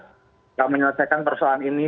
untuk menyelesaikan persoalan ini